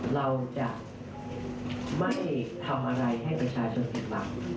เราจะไม่ทำอะไรให้ประชาชนผิดหวัง